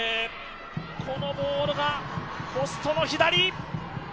このボールがポストの左。